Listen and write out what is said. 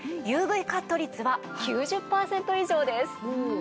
ＵＶカット率は９０パーセント以上です。